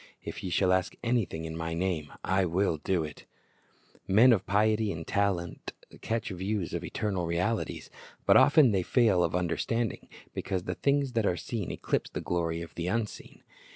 If ye shall ask anything in My name, I will do it." ^ IJohn 14 : 13, 14 112 Christ's Object Lessons Men of piety and talent catch views of eternal realities, but often they fail of understanding, because the things that are seen eclipse the glory of the unseen.